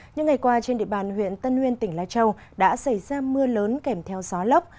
những ngày qua trên địa bàn huyện tân nguyên tỉnh lai châu đã xảy ra mưa lớn kèm theo gió lốc